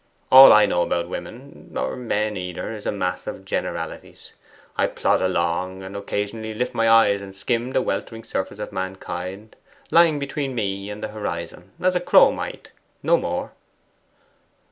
All I know about women, or men either, is a mass of generalities. I plod along, and occasionally lift my eyes and skim the weltering surface of mankind lying between me and the horizon, as a crow might; no more.